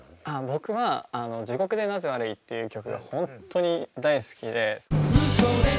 僕は「地獄でなぜ悪い」という曲が本当に大好きで。